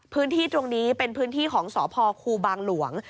พื้นที่ตรงนี้เป็นพื้นที่ของสพครูบางหลวง